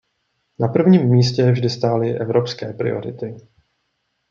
Na prvním místě vždy stály evropské priority.